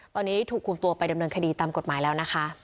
ตอนนี้ถูกคุมตัวไปดำเนินคดีตามกฎหมายแล้วนะคะ